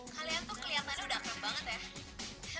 kalian tuh keliatannya udah keren banget ya